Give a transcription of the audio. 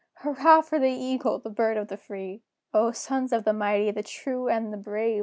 Hurrah for the Eagle, the Bird of the Free! O, sons of the mighty, the true, and the brave!